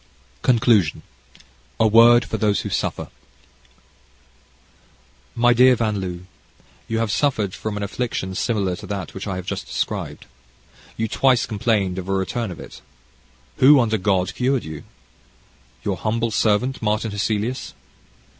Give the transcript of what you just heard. CONCLUSION A Word for Those Who Suffer My dear Van L , you have suffered from an affection similar to that which I have just described. You twice complained of a return of it. Who, under God, cured you? Your humble servant, Martin Hesselius.